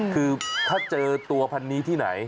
คือถ้าเจอตัวพันนี้ที่ไหน